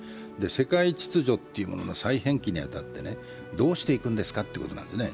世界秩序の再編期に当たってどうしていくんですかということなんですね。